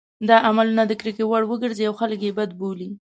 دا عملونه د کرکې وړ وګرځي او خلک یې بد بولي.